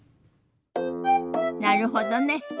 なるほどね。